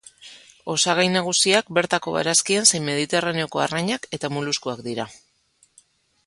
Osagai nagusiak bertako barazkiak zein Mediterraneoko arrainak eta moluskuak dira.